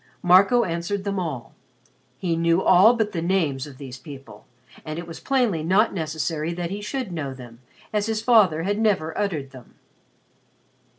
Marco answered them all. He knew all but the names of these people, and it was plainly not necessary that he should know them, as his father had never uttered them.